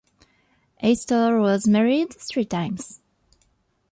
Astor was married three times.